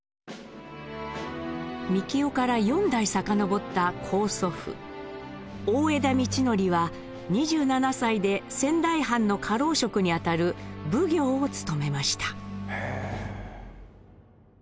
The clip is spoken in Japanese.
みきおから４代遡った高祖父大條道徳は２７歳で仙台藩の家老職にあたる奉行を務めました。